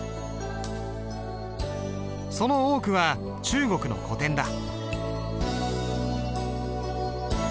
その多くは中国の古典だ。